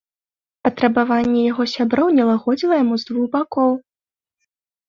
Патрабаванне яго сяброў не лагодзіла яму з двух бакоў.